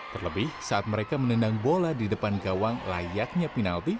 terlebih saat mereka menendang bola di depan gawang layaknya penalti